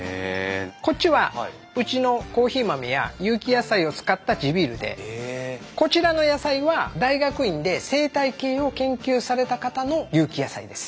こっちはうちのコーヒー豆や有機野菜を使った地ビールでこちらの野菜は大学院で生態系を研究された方の有機野菜です。